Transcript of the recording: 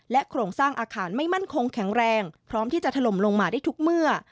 โครงสร้างอาคารไม่มั่นคงแข็งแรงพร้อมที่จะถล่มลงมาได้ทุกเมื่อ